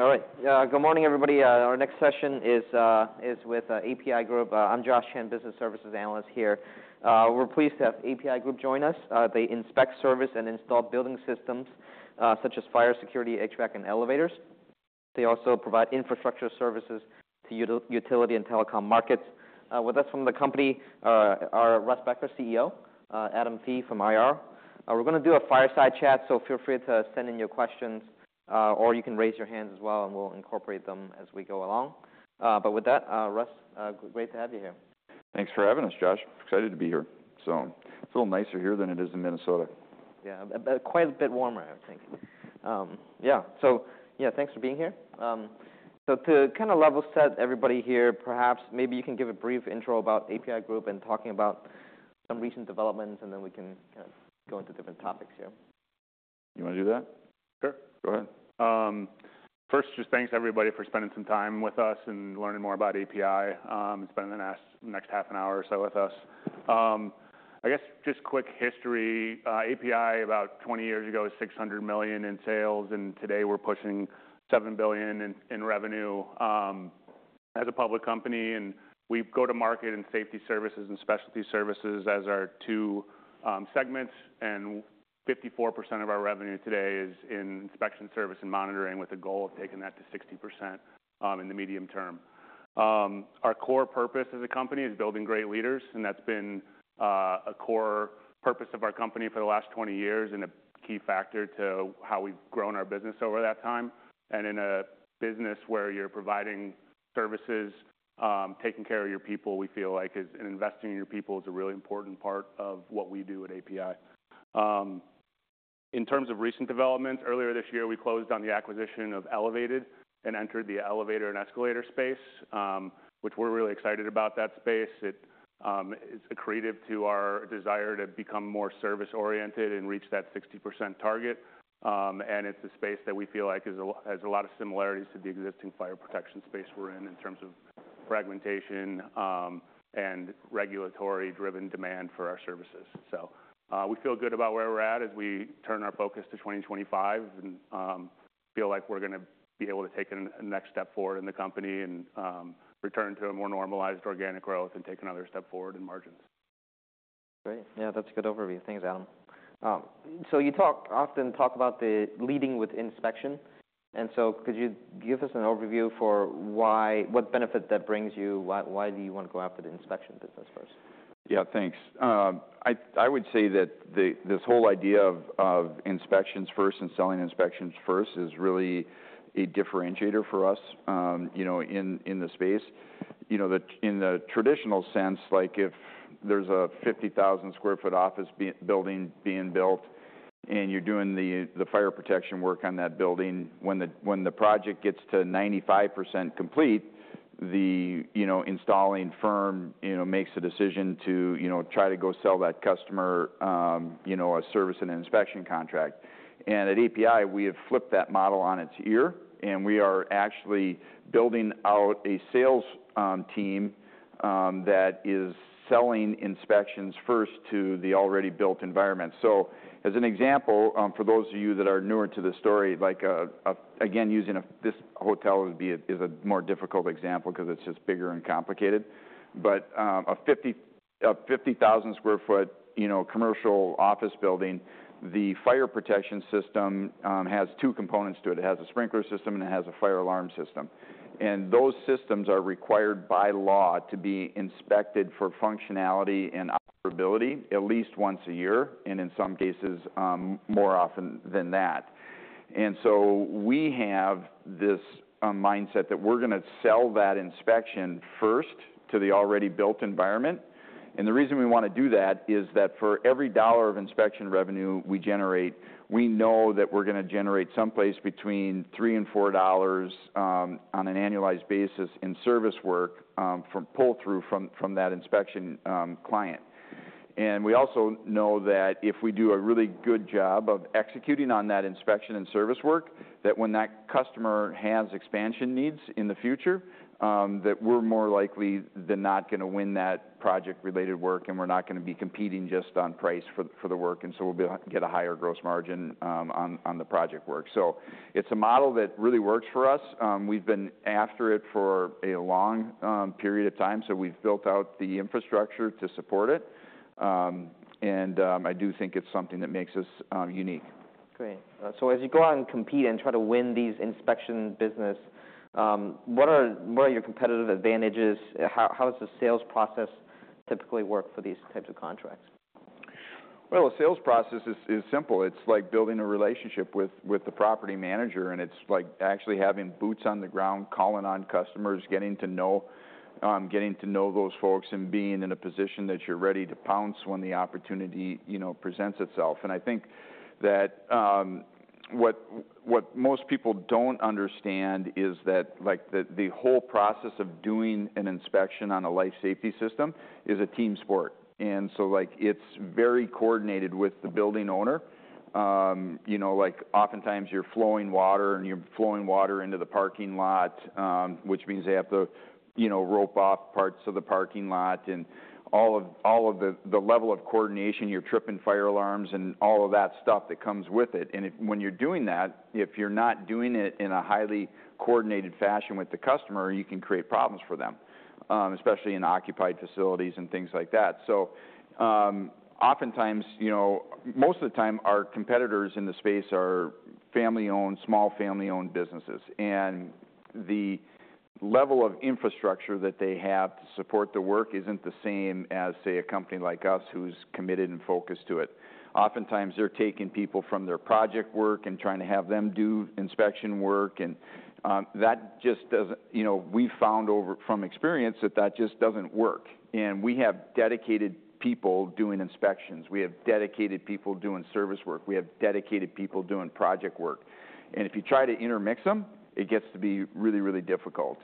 All right. Good morning, everybody. Our next session is with APi Group. I'm Josh Chan, Business Services Analyst here. We're pleased to have APi Group join us. They inspect, service, and install building systems, such as fire security, HVAC, and elevators. They also provide infrastructure services to utility and telecom markets. With us from the company are Russ Becker, CEO, Adam Fee from IR. We're gonna do a fireside chat, so feel free to send in your questions, or you can raise your hands as well, and we'll incorporate them as we go along. But with that, Russ, great to have you here. Thanks for having us, Josh. Excited to be here. So, it's a little nicer here than it is in Minnesota. Yeah. Quite a bit warmer, I would think. Yeah. So, yeah, thanks for being here. So to kinda level set everybody here, perhaps maybe you can give a brief intro about APi Group and talking about some recent developments, and then we can kinda go into different topics here. You wanna do that? Sure. Go ahead. First, just thanks to everybody for spending some time with us and learning more about APi, and spending the next half an hour or so with us. I guess just quick history. APi, about 20 years ago, was $600 million in sales, and today we're pushing $7 billion in revenue, as a public company. And we go to market in Safety Services and Specialty Services as our 2 segments, and 54% of our revenue today is in inspection service and monitoring with a goal of taking that to 60%, in the medium term. Our core purpose as a company is building great leaders, and that's been a core purpose of our company for the last 20 years and a key factor to how we've grown our business over that time. And in a business where you're providing services, taking care of your people, we feel like, and investing in your people is a really important part of what we do at APi. In terms of recent developments, earlier this year we closed on the acquisition of Elevated and entered the elevator and escalator space, which we're really excited about that space. It is accretive to our desire to become more service-oriented and reach that 60% target. And it's a space that we feel like has a lot of similarities to the existing fire protection space we're in in terms of fragmentation, and regulatory-driven demand for our services. We feel good about where we're at as we turn our focus to 2025 and feel like we're gonna be able to take a next step forward in the company and return to a more normalized organic growth and take another step forward in margins. Great. Yeah, that's a good overview. Thanks, Adam. So you often talk about leading with inspection. And so could you give us an overview for why, what benefit that brings you? Why, why do you wanna go after the inspection business first? Yeah, thanks. I would say that this whole idea of inspections first and selling inspections first is really a differentiator for us, you know, in the space. You know, in the traditional sense, like if there's a 50,000 sq ft office building being built and you're doing the fire protection work on that building, when the project gets to 95% complete, you know, the installing firm makes a decision to try to go sell that customer a service and an inspection contract, and at APi, we have flipped that model on its ear, and we are actually building out a sales team that is selling inspections first to the already built environment. So as an example, for those of you that are newer to the story, like, again, using this hotel would be a more difficult example 'cause it's just bigger and complicated. But a 50,000 sq ft, you know, commercial office building, the fire protection system has two components to it. It has a sprinkler system, and it has a fire alarm system. And those systems are required by law to be inspected for functionality and operability at least once a year and in some cases, more often than that. And so we have this mindset that we're gonna sell that inspection first to the already built environment. And the reason we wanna do that is that for every $1 of inspection revenue we generate, we know that we're gonna generate someplace between $3 and 4, on an annualized basis in service work, from pull-through from that inspection client. And we also know that if we do a really good job of executing on that inspection and service work, that when that customer has expansion needs in the future, that we're more likely than not gonna win that project-related work, and we're not gonna be competing just on price for the work. And so we'll be able to get a higher gross margin on the project work. So it's a model that really works for us. We've been after it for a long period of time, so we've built out the infrastructure to support it. And, I do think it's something that makes us unique. Great, so as you go out and compete and try to win these inspection business, what are your competitive advantages? How does the sales process typically work for these types of contracts? The sales process is simple. It's like building a relationship with the property manager, and it's like actually having boots on the ground, calling on customers, getting to know those folks, and being in a position that you're ready to pounce when the opportunity, you know, presents itself. And I think that what most people don't understand is that, like, the whole process of doing an inspection on a life safety system is a team sport. And so, like, it's very coordinated with the building owner. You know, like, oftentimes you're flowing water into the parking lot, which means they have to, you know, rope off parts of the parking lot and all of the level of coordination. You're tripping fire alarms and all of that stuff that comes with it. And if when you're doing that, if you're not doing it in a highly coordinated fashion with the customer, you can create problems for them, especially in occupied facilities and things like that. So, oftentimes, you know, most of the time our competitors in the space are family-owned, small family-owned businesses. And the level of infrastructure that they have to support the work isn't the same as, say, a company like us who's committed and focused to it. Oftentimes they're taking people from their project work and trying to have them do inspection work. And that just doesn't, you know, we've found from experience that that just doesn't work. And we have dedicated people doing inspections. We have dedicated people doing service work. We have dedicated people doing project work. And if you try to intermix them, it gets to be really, really difficult.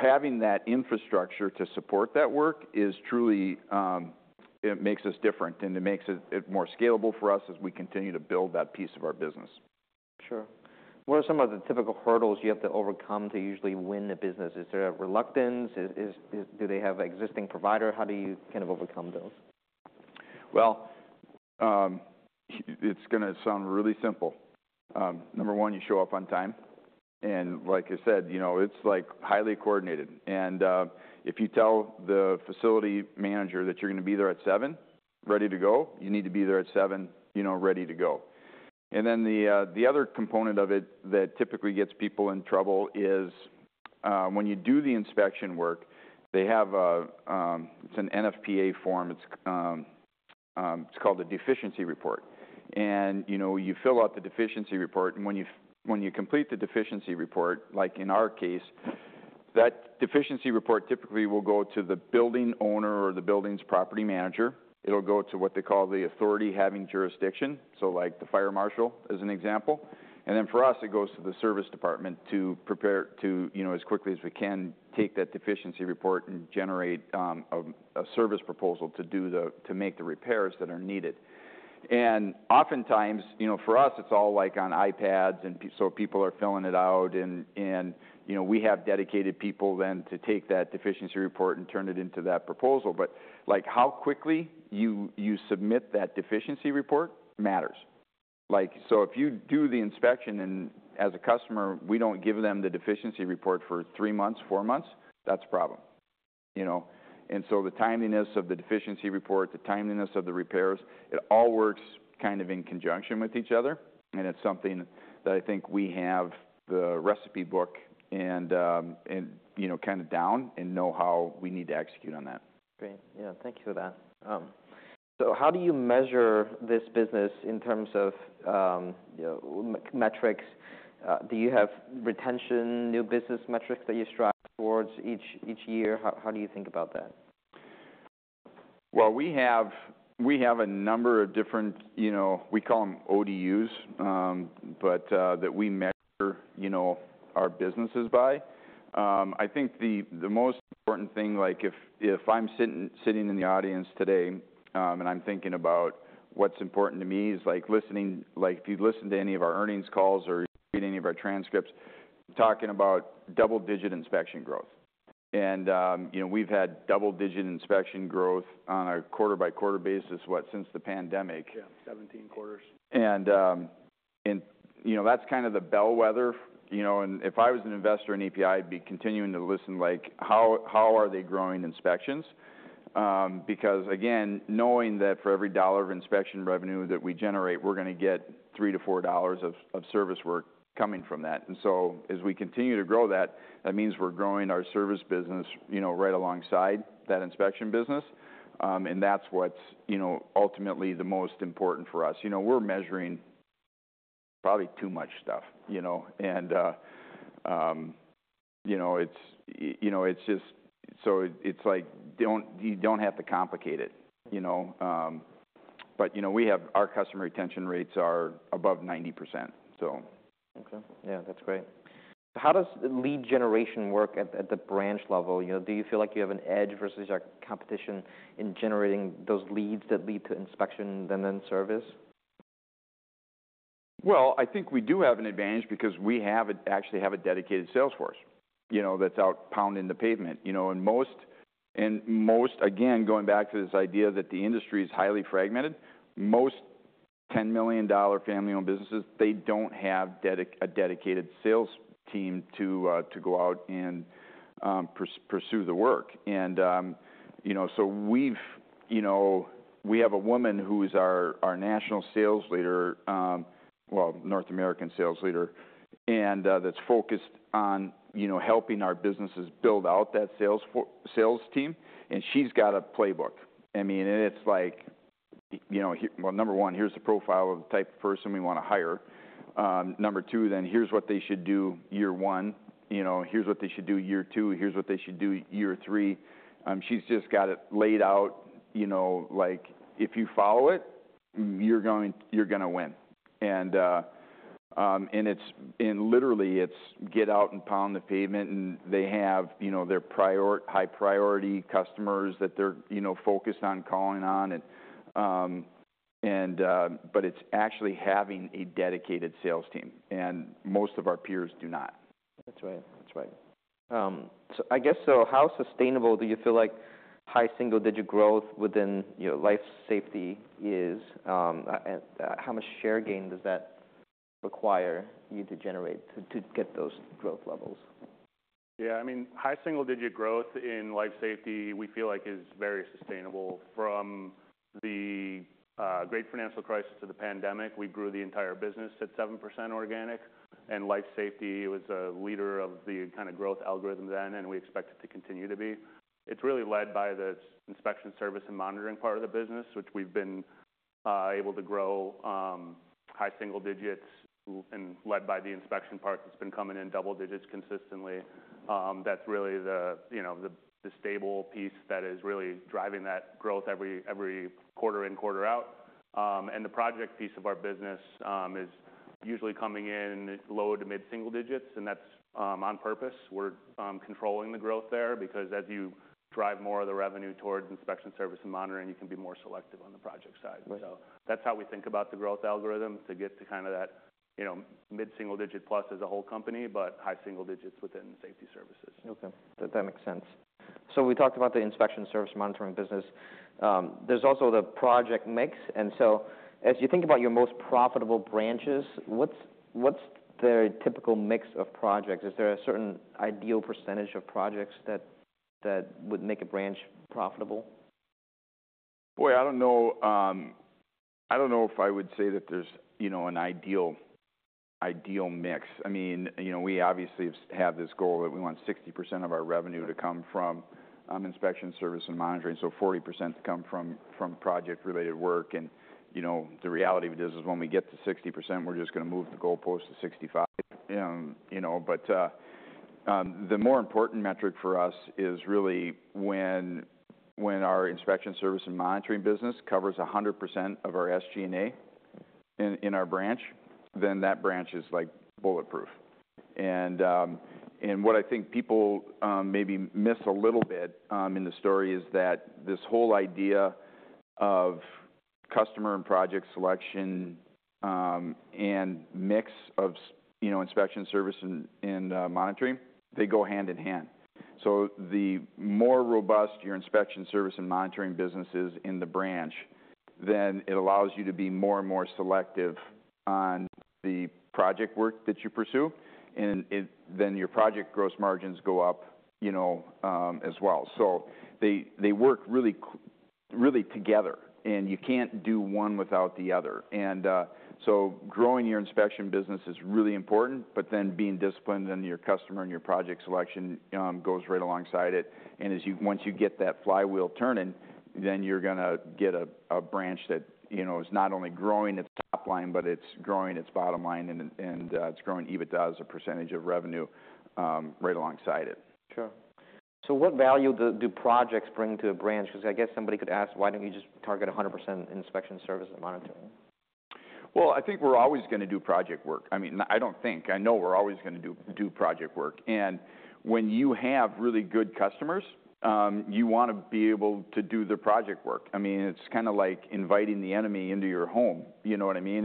Having that infrastructure to support that work is truly it. It makes us different, and it makes it more scalable for us as we continue to build that piece of our business. Sure. What are some of the typical hurdles you have to overcome to usually win the business? Is there a reluctance? Do they have an existing provider? How do you kind of overcome those? It's gonna sound really simple. Number one, you show up on time, and like I said, you know, it's like highly coordinated. And if you tell the facility manager that you're gonna be there at 7:00 A.M., ready to go, you need to be there at 7:00 A.M., you know, ready to go. And then the other component of it that typically gets people in trouble is, when you do the inspection work, they have an NFPA form. It's called a deficiency report. And you know, you fill out the deficiency report, and when you complete the deficiency report, like in our case, that deficiency report typically will go to the building owner or the building's property manager. It'll go to what they call the authority having jurisdiction, so like the fire marshal as an example. And then for us, it goes to the service department to prepare, you know, as quickly as we can take that deficiency report and generate a service proposal to do the repairs that are needed. And oftentimes, you know, for us, it's all like on iPads and so people are filling it out. And you know, we have dedicated people then to take that deficiency report and turn it into that proposal. But like how quickly you submit that deficiency report matters. Like, so if you do the inspection and as a customer, we don't give them the deficiency report for three months, four months, that's a problem, you know? And so the timeliness of the deficiency report, the timeliness of the repairs, it all works kind of in conjunction with each other. And it's something that I think we have the recipe book and, you know, kind of down and know how we need to execute on that. Great. Yeah, thank you for that, so how do you measure this business in terms of, you know, metrics? Do you have retention, new business metrics that you strive towards each year? How do you think about that? We have a number of different, you know, we call them ODUs, but that we measure, you know, our businesses by. I think the most important thing, like if I'm sitting in the audience today, and I'm thinking about what's important to me is like listening, like if you listen to any of our earnings calls or read any of our transcripts, talking about double-digit inspection growth. You know, we've had double-digit inspection growth on a quarter-by-quarter basis since the pandemic. Yeah, 17 quarters. And you know, that's kind of the bellwether, you know? If I was an investor in APi, I'd be continuing to listen like how are they growing inspections? Because again, knowing that for every $1 of inspection revenue that we generate, we're gonna get $3-4 of service work coming from that. So as we continue to grow that, that means we're growing our service business, you know, right alongside that inspection business. And that's what's, you know, ultimately the most important for us. You know, we're measuring probably too much stuff, you know? And you know, it's you know, it's just so it's like don't have to complicate it, you know? But you know, we have our customer retention rates are above 90%, so. Okay. Yeah, that's great. How does lead generation work at the branch level? You know, do you feel like you have an edge versus your competition in generating those leads that lead to inspection and then service? Well, I think we do have an advantage because we actually have a dedicated sales force, you know, that's out pounding the pavement, you know. And most, again, going back to this idea that the industry is highly fragmented, most $10 million family-owned businesses, they don't have a dedicated sales team to go out and pursue the work. And, you know, so we've, you know, we have a woman who's our national sales leader, well, North American sales leader, and that's focused on, you know, helping our businesses build out that sales team. And she's got a playbook. I mean, and it's like, you know, here, well, number one, here's the profile of the type of person we wanna hire. Number two, then here's what they should do year one, you know, here's what they should do year two, here's what they should do year three. She's just got it laid out, you know, like if you follow it, you're going you're gonna win. And it's literally get out and pound the pavement, and they have, you know, their prior high-priority customers that they're, you know, focused on calling on. And but it's actually having a dedicated sales team. And most of our peers do not. That's right. That's right. So I guess how sustainable do you feel like high single-digit growth within, you know, life safety is? And how much share gain does that require you to generate to get those growth levels? Yeah, I mean, high single-digit growth in life safety we feel like is very sustainable. From the Great Financial Crisis to the pandemic, we grew the entire business at 7% organic, and life safety was a leader of the kind of growth algorithm then, and we expect it to continue to be. It's really led by the inspection service and monitoring part of the business, which we've been able to grow high single digits and led by the inspection part that's been coming in double digits consistently. That's really the, you know, the, the stable piece that is really driving that growth every, every quarter in, quarter out, and the project piece of our business is usually coming in low to mid-single digits, and that's on purpose. We're controlling the growth there because as you drive more of the revenue towards inspection service and monitoring, you can be more selective on the project side. Right. So that's how we think about the growth algorithm to get to kind of that, you know, mid-single digit plus as a whole company, but high single digits within Safety Services. Okay. That makes sense. So we talked about the inspection service monitoring business. There's also the project mix. And so as you think about your most profitable branches, what's the typical mix of projects? Is there a certain ideal percentage of projects that would make a branch profitable? Boy, I don't know. I don't know if I would say that there's, you know, an ideal, ideal mix. I mean, you know, we obviously have this goal that we want 60% of our revenue to come from inspection service and monitoring, so 40% to come from project-related work. And, you know, the reality of it is when we get to 60%, we're just gonna move the goalpost to 65%, you know? But the more important metric for us is really when our inspection service and monitoring business covers 100% of our SG&A in our branch, then that branch is like bulletproof. And what I think people maybe miss a little bit in the story is that this whole idea of customer and project selection, and mix of, you know, inspection service and monitoring, they go hand in hand. So the more robust your inspection service and monitoring business is in the branch, then it allows you to be more and more selective on the project work that you pursue. And it then your project gross margins go up, you know, as well. So they work really, really together, and you can't do one without the other. And so growing your inspection business is really important, but then being disciplined in your customer and your project selection goes right alongside it. And as you, once you get that flywheel turning, then you're gonna get a branch that, you know, is not only growing its top line, but it's growing its bottom line, and it's growing EBITDA as a percentage of revenue, right alongside it. Sure. So what value do projects bring to a branch? Because I guess somebody could ask, why don't you just target 100% inspection service and monitoring? I think we're always gonna do project work. I mean, I don't think. I know we're always gonna do project work. When you have really good customers, you wanna be able to do the project work. I mean, it's kinda like inviting the enemy into your home, you know what I mean?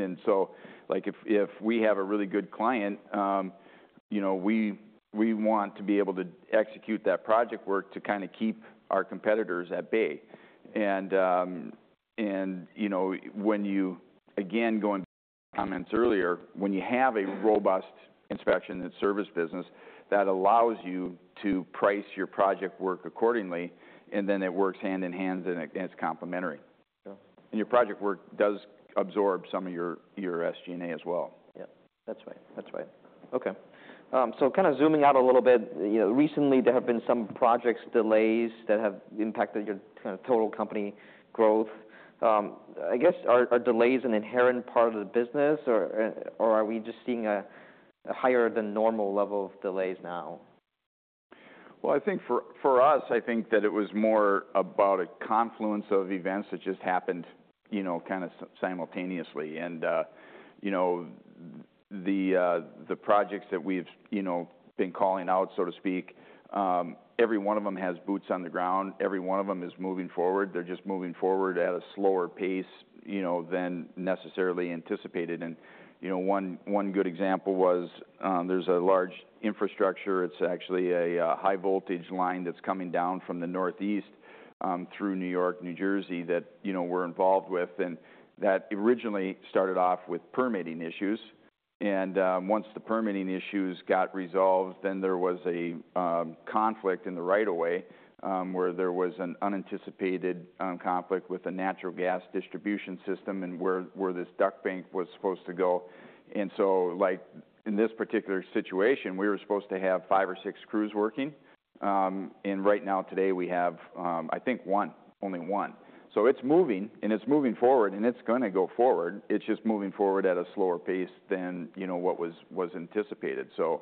If we have a really good client, you know, we want to be able to execute that project work to kinda keep our competitors at bay. You know, when you again going back to the comments earlier, when you have a robust inspection and service business, that allows you to price your project work accordingly, and then it works hand in hand, and it's complementary. Sure. Your project work does absorb some of your SG&A as well. Yeah. That's right. That's right. Okay, so kinda zooming out a little bit, you know, recently there have been some project delays that have impacted your kinda total company growth. I guess, are delays an inherent part of the business, or are we just seeing a higher than normal level of delays now? I think for us, it was more about a confluence of events that just happened, you know, kinda simultaneously. You know, the projects that we've, you know, been calling out, so to speak, every one of them has boots on the ground. Every one of them is moving forward. They're just moving forward at a slower pace, you know, than necessarily anticipated. One good example was. There's a large infrastructure. It's actually a high-voltage line that's coming down from the northeast, through New York, New Jersey that, you know, we're involved with. That originally started off with permitting issues. Once the permitting issues got resolved, then there was a conflict in the right-of-way, where there was an unanticipated conflict with a natural gas distribution system and where this duct bank was supposed to go. And so like in this particular situation, we were supposed to have 5 or 6 crews working. And right now today we have, I think, one, only one. So it's moving, and it's moving forward, and it's gonna go forward. It's just moving forward at a slower pace than, you know, what was, was anticipated. So,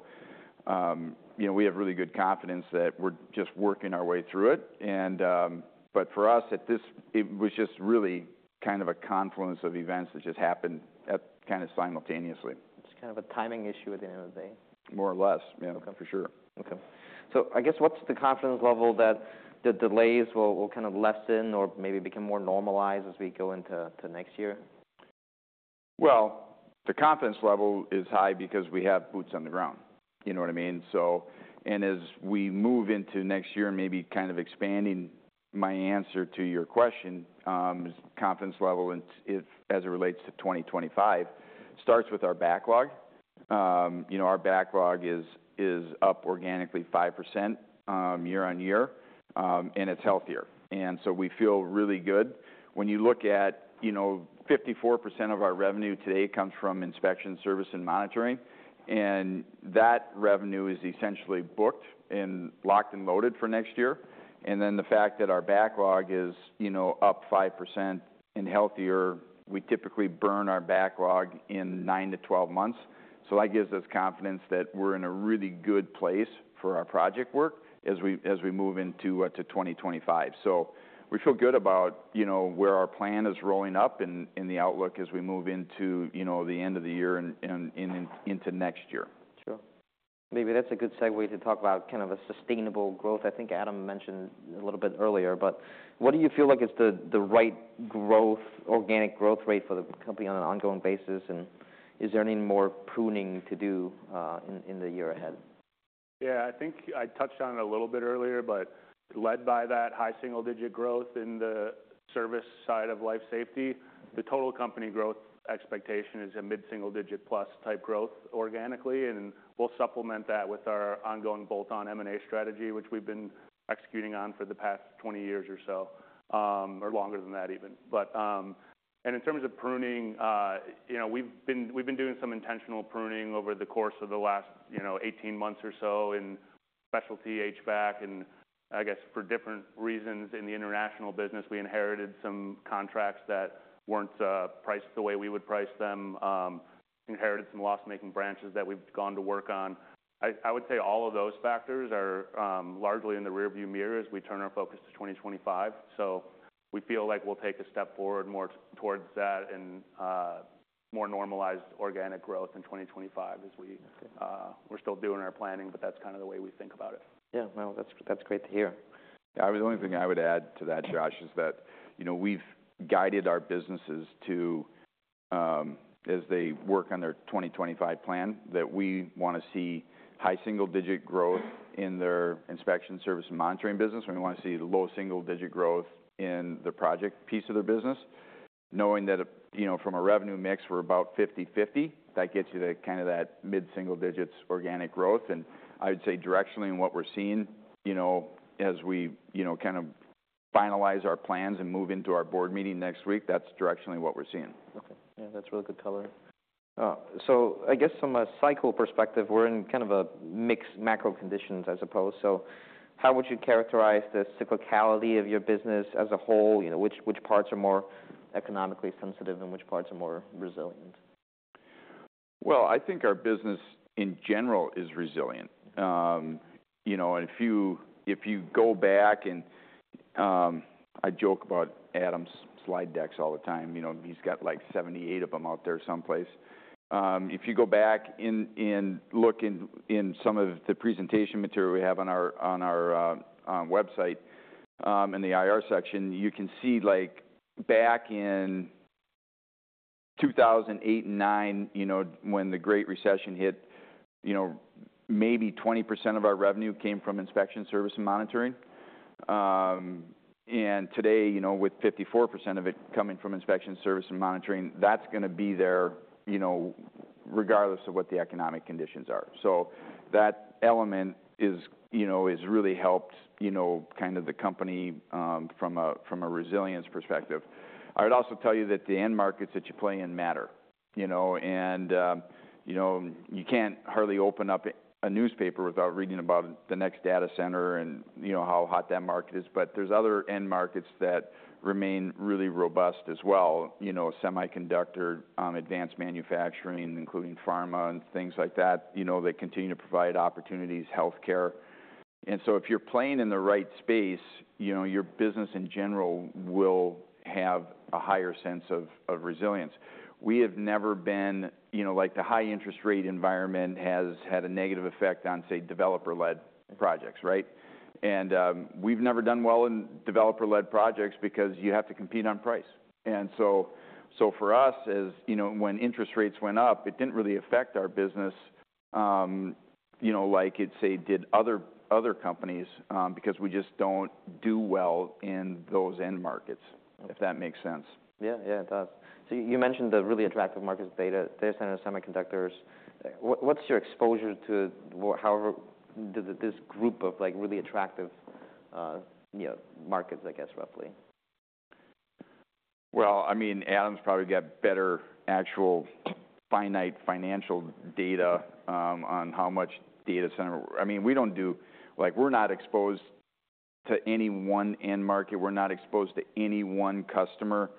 you know, we have really good confidence that we're just working our way through it. And, but for us at this, it was just really kind of a confluence of events that just happened at kinda simultaneously. It's kind of a timing issue at the end of the day. More or less, yeah, for sure. Okay. So I guess what's the confidence level that the delays will kind of lessen or maybe become more normalized as we go into next year? Well, the confidence level is high because we have boots on the ground, you know what I mean? So and as we move into next year, maybe kind of expanding my answer to your question, is confidence level in FY as it relates to 2025 starts with our backlog. You know, our backlog is up organically 5%, year on year, and it's healthier. And so we feel really good. When you look at, you know, 54% of our revenue today comes from inspection service and monitoring, and that revenue is essentially booked and locked and loaded for next year. And then the fact that our backlog is, you know, up 5% and healthier, we typically burn our backlog in 9-12 months. So that gives us confidence that we're in a really good place for our project work as we move into 2025. So we feel good about, you know, where our plan is rolling up and the outlook as we move into, you know, the end of the year and into next year. Sure. Maybe that's a good segue to talk about kind of a sustainable growth. I think Adam mentioned a little bit earlier, but what do you feel like is the right growth, organic growth rate for the company on an ongoing basis? And is there any more pruning to do, in the year ahead? Yeah, I think I touched on it a little bit earlier, but led by that high single-digit growth in the service side of life safety, the total company growth expectation is a mid-single digit plus type growth organically, and we'll supplement that with our ongoing bolt-on M&A strategy, which we've been executing on for the past 20 years or so, or longer than that even, but and in terms of pruning, you know, we've been doing some intentional pruning over the course of the last, you know, 18 months or so in specialty HVAC, and I guess for different reasons in the international business, we inherited some contracts that weren't priced the way we would price them, inherited some loss-making branches that we've gone to work on. I would say all of those factors are largely in the rearview mirror as we turn our focus to 2025. So we feel like we'll take a step forward more towards that and more normalized organic growth in 2025 as we're still doing our planning, but that's kinda the way we think about it. Yeah. No, that's, that's great to hear. Yeah, the only thing I would add to that, Josh, is that, you know, we've guided our businesses to, as they work on their 2025 plan, that we wanna see high single-digit growth in their inspection service and monitoring business, and we wanna see low single-digit growth in the project piece of their business, knowing that, you know, from a revenue mix, we're about 50/50. That gets you to kinda that mid-single digits organic growth. And I would say directionally in what we're seeing, you know, as we, you know, kinda finalize our plans and move into our board meeting next week, that's directionally what we're seeing. Okay. Yeah, that's really good color. So I guess from a cycle perspective, we're in kind of a mixed macro conditions, I suppose. So how would you characterize the cyclicality of your business as a whole? You know, which, which parts are more economically sensitive and which parts are more resilient? I think our business in general is resilient. You know, and if you go back and, I joke about Adam's slide decks all the time. You know, he's got like 78 of them out there someplace. If you go back and look in some of the presentation material we have on our website, in the IR section, you can see like back in 2008 and 2009, you know, when the Great Recession hit. You know, maybe 20% of our revenue came from inspection service and monitoring. And today, you know, with 54% of it coming from inspection service and monitoring, that's gonna be there, you know, regardless of what the economic conditions are. So that element is, you know, has really helped, you know, kind of the company, from a resilience perspective. I would also tell you that the end markets that you play in matter, you know, and you know, you can't hardly open up a newspaper without reading about the next data center and, you know, how hot that market is, but there's other end markets that remain really robust as well, you know, semiconductor, advanced manufacturing, including pharma and things like that, you know, that continue to provide opportunities, healthcare, and so if you're playing in the right space, you know, your business in general will have a higher sense of, of resilience. We have never been, you know, like the high interest rate environment has had a negative effect on, say, developer-led projects, right, and we've never done well in developer-led projects because you have to compete on price. For us, you know, when interest rates went up, it didn't really affect our business, you know, like it, say, did other companies, because we just don't do well in those end markets, if that makes sense. Yeah. Yeah, it does. So you, you mentioned the really attractive markets, data, data centers, semiconductors. What, what's your exposure to however this group of like really attractive, you know, markets, I guess, roughly? I mean, Adam's probably got better actual finite financial data on how much data center. I mean, we don't do like we're not exposed to any one end market. We're not exposed to any one customer.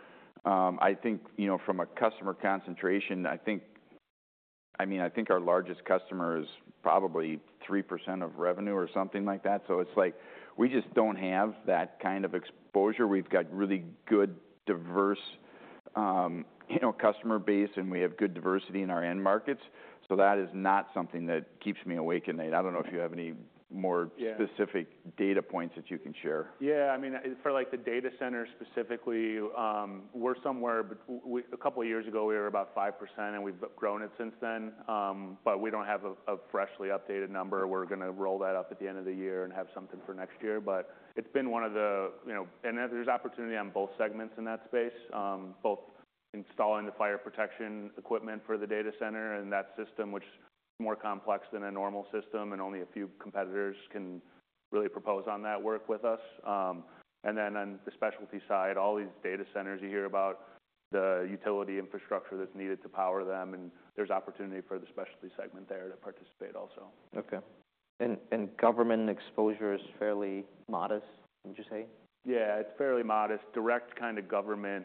I think, you know, from a customer concentration, I think, I mean, I think our largest customer is probably 3% of revenue or something like that. So it's like we just don't have that kind of exposure. We've got really good, diverse, you know, customer base, and we have good diversity in our end markets. So that is not something that keeps me awake at night. I don't know if you have any more. Yeah. Specific data points that you can share. Yeah. I mean, for like the data center specifically, we're somewhere, but a couple of years ago, we were about 5%, and we've grown it since then. We don't have a freshly updated number. We're gonna roll that up at the end of the year and have something for next year. It's been one of the, you know, and there's opportunity on both segments in that space, both installing the fire protection equipment for the data center and that system, which is more complex than a normal system, and only a few competitors can really propose on that work with us. Then on the specialty side, all these data centers you hear about, the utility infrastructure that's needed to power them, and there's opportunity for the specialty segment there to participate also. Okay. And government exposure is fairly modest, would you say? Yeah, it's fairly modest. Direct kinda government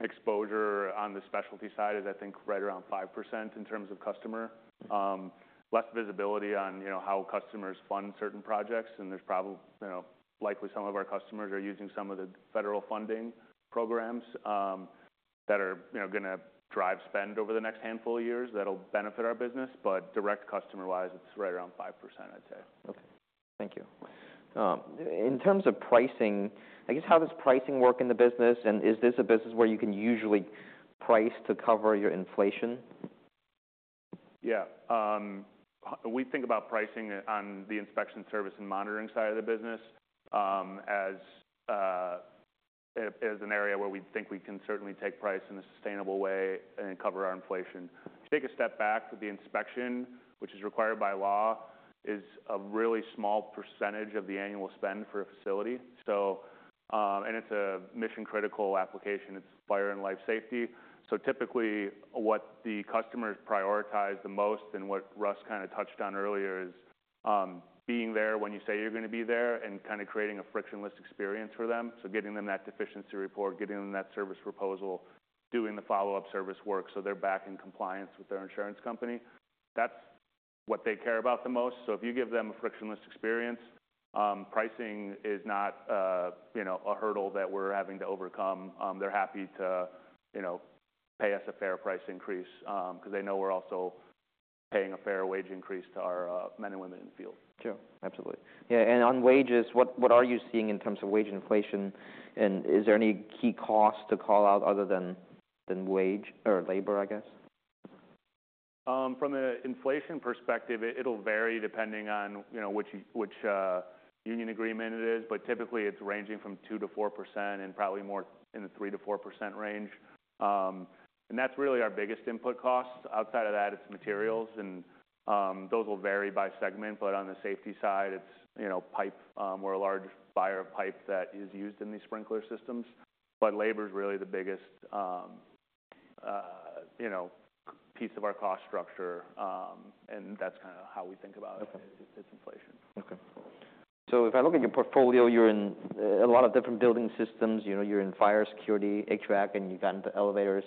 exposure on the specialty side is, I think, right around 5% in terms of customer. Less visibility on, you know, how customers fund certain projects. And there's probably, you know, likely some of our customers are using some of the federal funding programs, that are, you know, gonna drive spend over the next handful of years that'll benefit our business. But direct customer-wise, it's right around 5%, I'd say. Okay. Thank you. In terms of pricing, I guess how does pricing work in the business, and is this a business where you can usually price to cover your inflation? Yeah. We think about pricing on the inspection service and monitoring side of the business, as an area where we think we can certainly take price in a sustainable way and cover our inflation. Take a step back with the inspection, which is required by law, is a really small percentage of the annual spend for a facility. So, and it's a mission-critical application. It's fire and life safety. So typically what the customers prioritize the most and what Russ kinda touched on earlier is, being there when you say you're gonna be there and kinda creating a frictionless experience for them. So getting them that deficiency report, getting them that service proposal, doing the follow-up service work so they're back in compliance with their insurance company. That's what they care about the most. So if you give them a frictionless experience, pricing is not, you know, a hurdle that we're having to overcome. They're happy to, you know, pay us a fair price increase, 'cause they know we're also paying a fair wage increase to our, men and women in the field. Sure. Absolutely. Yeah. And on wages, what are you seeing in terms of wage inflation, and is there any key cost to call out other than wage or labor, I guess? From an inflation perspective, it'll vary depending on, you know, which union agreement it is. But typically it's ranging from 2%-4 and probably more in the 3%-4 range, and that's really our biggest input costs. Outside of that, it's materials, and those will vary by segment. But on the safety side, it's, you know, pipe. We're a large buyer of pipe that is used in these sprinkler systems. But labor's really the biggest, you know, piece of our cost structure, and that's kinda how we think about it. Okay. It's inflation. Okay, so if I look at your portfolio, you're in a lot of different building systems. You know, you're in fire security, HVAC, and you've gotten to elevators.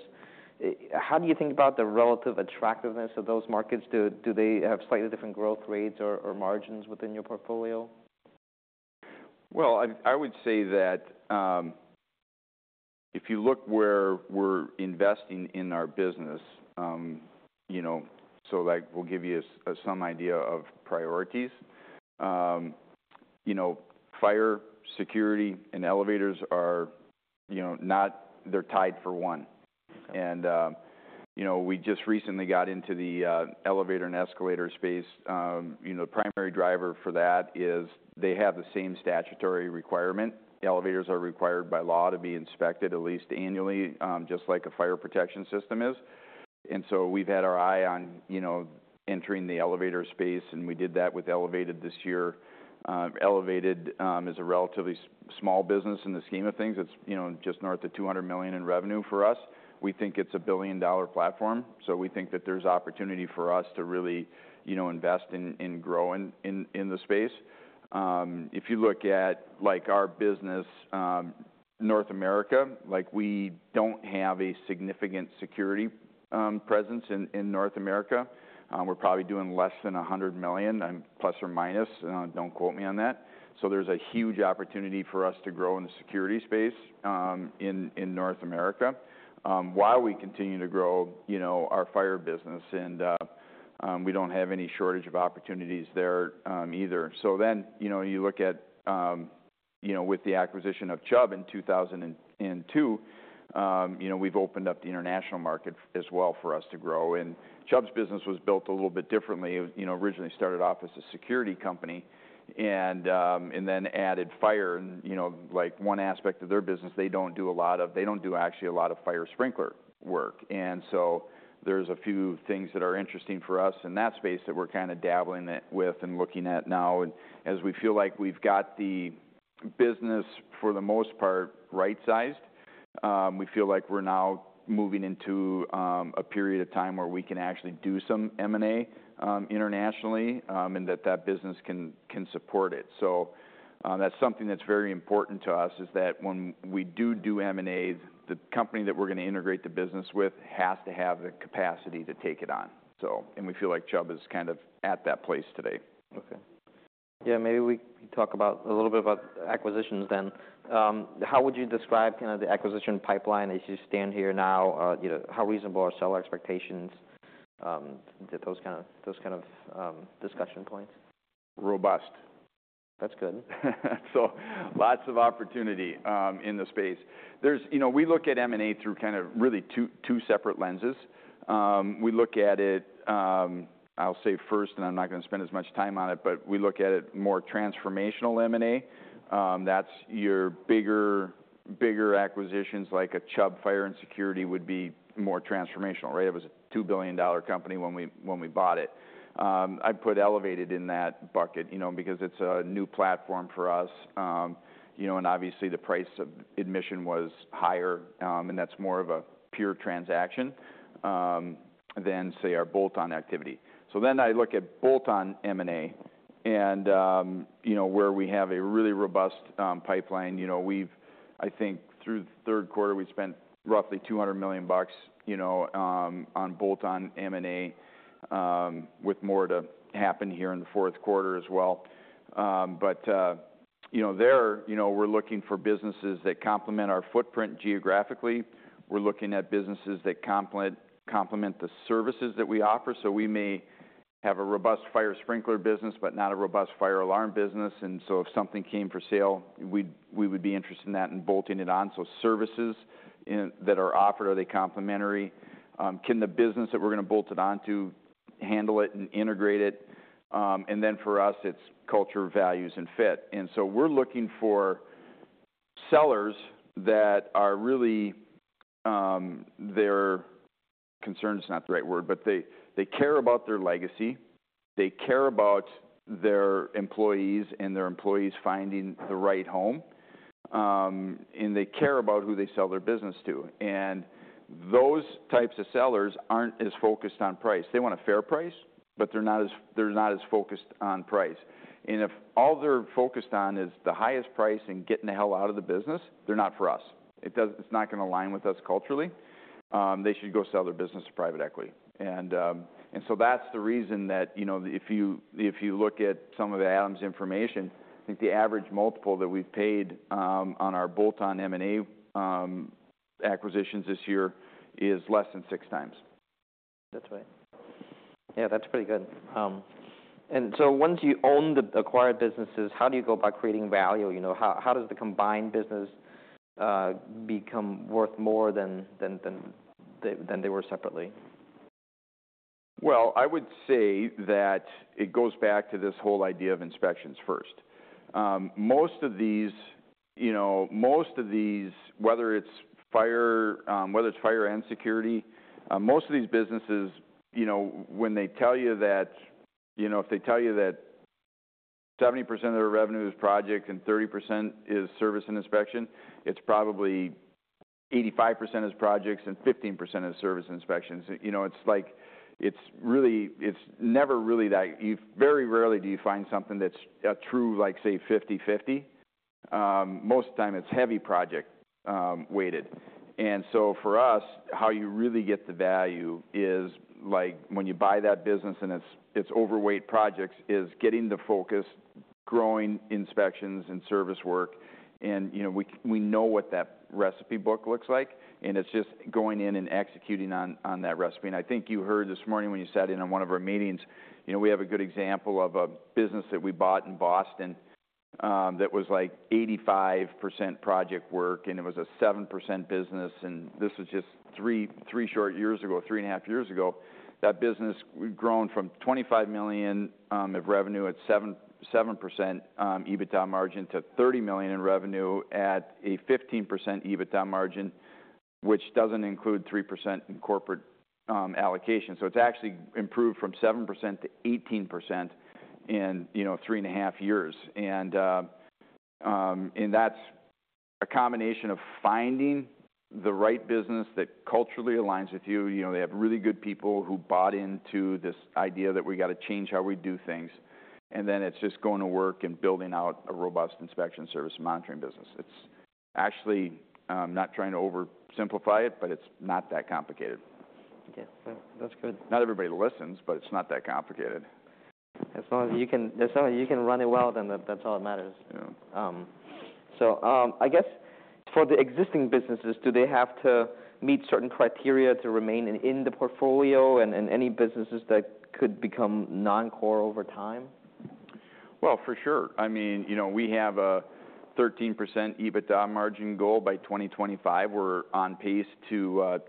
How do you think about the relative attractiveness of those markets? Do they have slightly different growth rates or margins within your portfolio? Well, I would say that if you look where we're investing in our business, you know, so like we'll give you some idea of priorities. You know, fire security and elevators are, you know, no, they're tied for one. And you know, we just recently got into the elevator and escalator space. You know, the primary driver for that is they have the same statutory requirement. Elevators are required by law to be inspected at least annually, just like a fire protection system is. And so we've had our eye on, you know, entering the elevator space, and we did that with Elevated this year. Elevated is a relatively small business in the scheme of things. It's, you know, just north of $200 million in revenue for us. We think it's a billion-dollar platform. So we think that there's opportunity for us to really, you know, invest in growing in the space. If you look at like our business, North America, like we don't have a significant security presence in North America. We're probably doing less than $100 million, plus or minus. Don't quote me on that. So there's a huge opportunity for us to grow in the security space in North America. While we continue to grow, you know, our fire business and we don't have any shortage of opportunities there, either. So then, you know, you look at, you know, with the acquisition of Chubb in 2002, you know, we've opened up the international market as well for us to grow. And Chubb's business was built a little bit differently. It, you know, originally started off as a security company and then added fire and, you know, like one aspect of their business they don't actually do a lot of fire sprinkler work. And so there's a few things that are interesting for us in that space that we're kinda dabbling with and looking at now. And as we feel like we've got the business for the most part right-sized, we feel like we're now moving into a period of time where we can actually do some M&A internationally, and that business can support it. So, that's something that's very important to us is that when we do do M&A, the company that we're gonna integrate the business with has to have the capacity to take it on. So, and we feel like Chubb is kind of at that place today. Okay. Yeah. Maybe we talk about a little bit about acquisitions then. How would you describe kinda the acquisition pipeline as you stand here now? You know, how reasonable are seller expectations to those kind of discussion points? Robust. That's good. So lots of opportunity in the space. There's, you know, we look at M&A through kinda really two separate lenses. We look at it. I'll say first, and I'm not gonna spend as much time on it, but we look at it more transformational M&A. That's your bigger acquisitions like a Chubb Fire & Security would be more transformational, right? It was a $2 billion company when we bought it. I put Elevated in that bucket, you know, because it's a new platform for us. You know, and obviously the price of admission was higher, and that's more of a pure transaction than, say, our bolt-on activity. So then I look at bolt-on M&A and, you know, where we have a really robust pipeline. You know, we've, I think through the third quarter, we spent roughly $200 million, you know, on bolt-on M&A, with more to happen here in the fourth quarter as well, but you know, there, you know, we're looking for businesses that complement our footprint geographically. We're looking at businesses that complement the services that we offer. So we may have a robust fire sprinkler business, but not a robust fire alarm business. And so if something came for sale, we would be interested in that and bolting it on. So services in that are offered, are they complementary? Can the business that we're gonna bolt it onto handle it and integrate it, and then for us, it's culture, values, and fit, and so we're looking for sellers that are really, their concern's not the right word, but they care about their legacy. They care about their employees and their employees finding the right home. They care about who they sell their business to. Those types of sellers aren't as focused on price. They want a fair price, but they're not as focused on price. If all they're focused on is the highest price and getting the hell out of the business, they're not for us. It doesn't. It's not gonna align with us culturally. They should go sell their business to private equity. So that's the reason that, you know, if you look at some of Adam's information, I think the average multiple that we've paid on our bolt-on M&A acquisitions this year is less than 6 times. That's right. Yeah. That's pretty good. And so once you own the acquired businesses, how do you go about creating value? You know, how does the combined business become worth more than they were separately? Well, I would say that it goes back to this whole idea of inspections first. Most of these, you know, most of these, whether it's fire, whether it's fire and security, most of these businesses, you know, when they tell you that, you know, if they tell you that 70% of their revenue is project and 30% is service and inspection, it's probably 85% is projects and 15% is service and inspections. You know, it's like, it's really, it's never really that you very rarely find something that's a true, like, say, 50/50. Most of the time it's heavy project weighted. And so for us, how you really get the value is like when you buy that business and it's, it's overweight projects is getting the focus, growing inspections and service work. And, you know, we know what that recipe book looks like, and it's just going in and executing on that recipe. And I think you heard this morning when you sat in on one of our meetings. You know, we have a good example of a business that we bought in Boston, that was like 85% project work, and it was a 7% business. And this was just three short years ago, three and a half years ago. That business grown from $25 million of revenue at 7% EBITDA margin to $30 million in revenue at a 15% EBITDA margin, which doesn't include 3% in corporate allocation. So it's actually improved from 7% to 18% in, you know, three and a half years. And that's a combination of finding the right business that culturally aligns with you. You know, they have really good people who bought into this idea that we gotta change how we do things, and then it's just going to work and building out a robust inspection service monitoring business. It's actually, not trying to oversimplify it, but it's not that complicated. Okay. That's good. Not everybody listens, but it's not that complicated. As long as you can, as long as you can run it well, then that, that's all that matters. Yeah. I guess for the existing businesses, do they have to meet certain criteria to remain in the portfolio and any businesses that could become non-core over time? For sure. I mean, you know, we have a 13% EBITDA margin goal by 2025. We're on pace to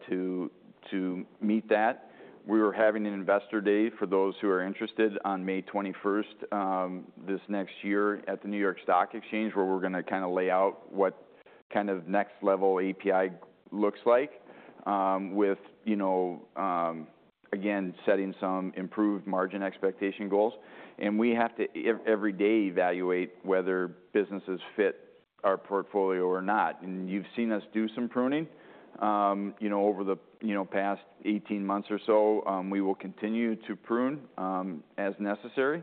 meet that. We were having an investor day for those who are interested on May 21st, this next year at the New York Stock Exchange where we're gonna kinda lay out what kind of next level APi looks like, with, you know, again, setting some improved margin expectation goals, and we have to every day evaluate whether businesses fit our portfolio or not, and you've seen us do some pruning, you know, over the, you know, past 18 months or so. We will continue to prune, as necessary,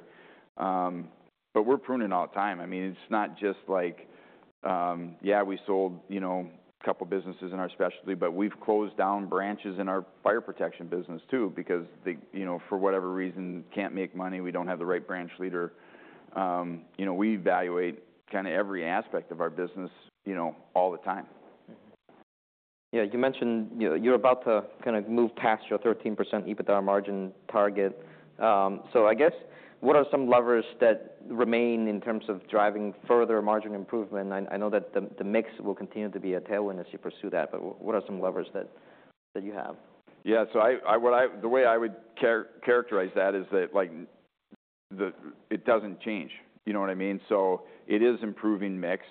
but we're pruning all the time. I mean, it's not just like, yeah, we sold, you know, a couple businesses in our specialty, but we've closed down branches in our fire protection business too because they, you know, for whatever reason can't make money. We don't have the right branch leader. You know, we evaluate kinda every aspect of our business, you know, all the time. Mm-hmm. Yeah. You mentioned, you know, you're about to kinda move past your 13% EBITDA margin target. So I guess what are some levers that remain in terms of driving further margin improvement? I know that the mix will continue to be a tailwind as you pursue that, but what are some levers that you have? Yeah. So, what I, the way I would characterize that is that like the, it doesn't change. You know what I mean? So it is improving mix.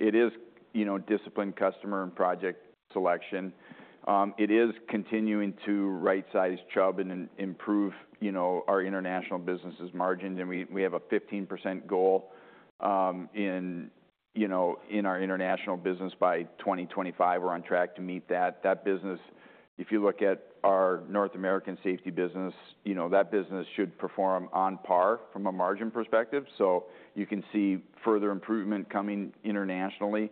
It is, you know, disciplined customer and project selection. It is continuing to right-size Chubb and improve, you know, our international business's margin. And we have a 15% goal, in, you know, in our international business by 2025. We're on track to meet that. That business, if you look at our North American safety business, you know, that business should perform on par from a margin perspective. So you can see further improvement coming internationally.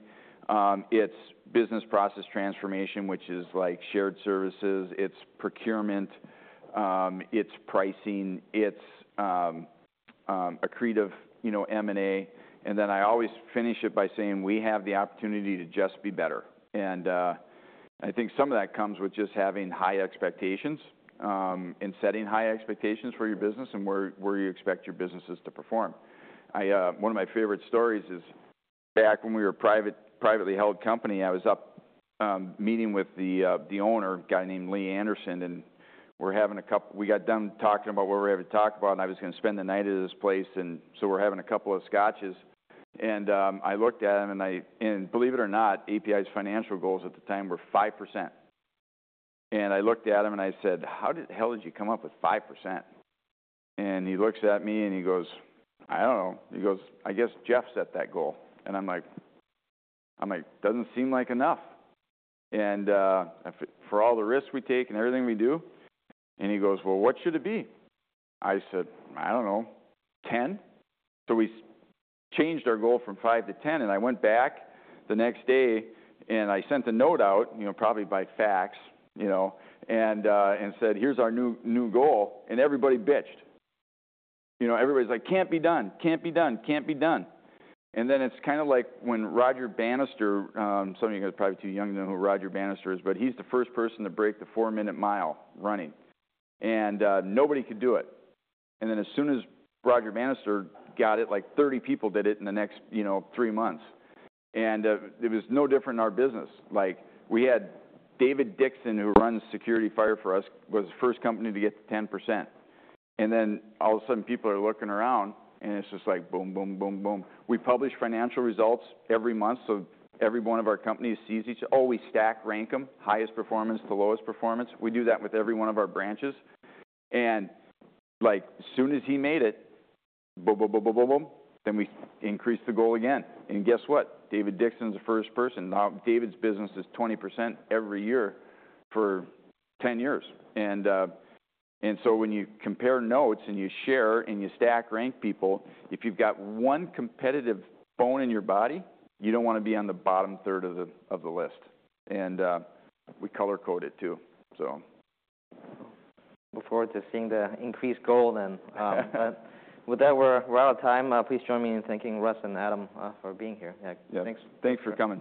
It's business process transformation, which is like shared services. It's procurement. It's pricing. It's accretive, you know, M&A. And then I always finish it by saying we have the opportunity to just be better. I think some of that comes with just having high expectations, and setting high expectations for your business and where you expect your businesses to perform. One of my favorite stories is back when we were a private, privately held company. I was up meeting with the owner, a guy named Lee Anderson, and we're having a couple. We got done talking about what we had to talk about, and I was gonna spend the night at his place. So we're having a couple of Scotches. I looked at him and, believe it or not, APi's financial goals at the time were 5%. And I looked at him and I said, "How the hell did you come up with 5%?" And he looks at me and he goes, "I don't know." He goes, "I guess Jeff set that goal." And I'm like, I'm like, "Doesn't seem like enough." And, for all the risks we take and everything we do. And he goes, "Well, what should it be?" I said, "I don't know. 10%." So we changed our goal from 5%-10%. And I went back the next day and I sent a note out, you know, probably by fax, you know, and said, "Here's our new goal." And everybody bitched. You know, everybody's like, "Can't be done. Can't be done. Can't be done." And then it's kinda like when Roger Bannister, some of you guys are probably too young to know who Roger Bannister is, but he's the first person to break the four-minute mile running. And nobody could do it. And then as soon as Roger Bannister got it, like 30 people did it in the next, you know, three months. And it was no different in our business. Like we had David Dickson, who runs security fire for us, was the first company to get to 10%. And then all of a sudden people are looking around and it's just like boom, boom, boom, boom. We publish financial results every month. So every one of our companies sees each other. Oh, we stack rank them, highest performance to lowest performance. We do that with every one of our branches. Like as soon as he made it, boom, boom, boom, boom, boom, boom, then we increased the goal again. Guess what? David Dickson's the first person. Now David's business is 20% every year for 10 years. So when you compare notes and you share and you stack rank people, if you've got one competitive bone in your body, you don't wanna be on the bottom third of the list. We color code it too, so. Look forward to seeing the increased goal then, but with that, we're out of time. Please join me in thanking Russ and Adam for being here. Yeah. Yeah. Thanks. Thanks for coming.